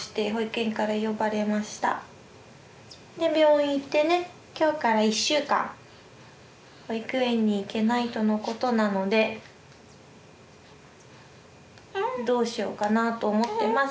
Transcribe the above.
で病院行ってね今日から１週間保育園に行けないとのことなのでどうしようかなと思ってます。